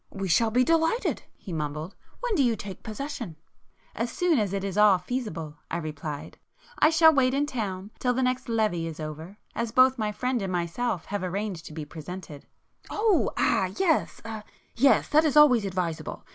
"We shall be delighted,"—he mumbled—"when do you take possession?" "As soon as it is at all feasible"—I replied—"I shall wait in town till the next Levée is over, as both my friend and myself have arranged to be presented." "Oh—ah—yes!—er—yes! That is always advisable.